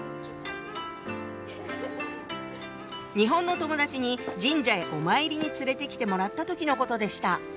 日本の友達に神社へお参りに連れてきてもらった時のことでした。